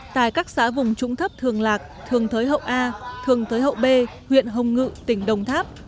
tại các xã vùng trung thấp thường lạc thường tới hậu a thường tới hậu b huyện hồng ngự tỉnh đồng tháp